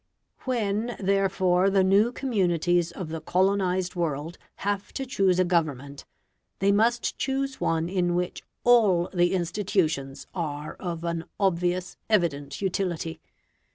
When, therefore, the new communities of the colonised world have to choose a government, they must choose one in which ALL the institutions are of an obvious evident utility.